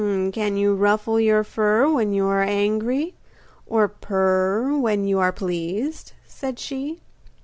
'Can you ruffle your fur when you are angry, or purr when you are pleased?' said she.